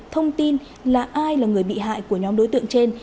thông tin là ai là người bị hại của nhóm đối tượng trên